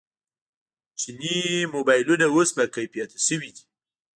چیني موبایلونه اوس باکیفیته شوي دي.